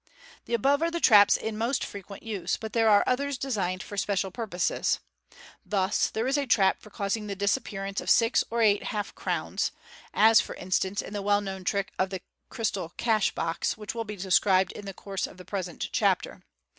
The above are the traps in most frequent use, but there are others designed for special purposes. Thus there is a trap for causing the disappearance of six or eight half crowns (as, for instance, in the well known trick of the " crystal cash box," which will be described 446 MODERN MAGIC. Fig. 275. in the course of the present chapter).